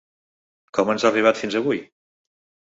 Com ens ha arribat fins avui?